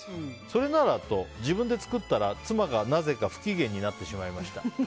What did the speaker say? それならと自分で作ったら妻がなぜか不機嫌になってしまいました。